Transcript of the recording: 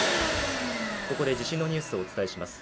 ここで地震のニュースをお伝えします。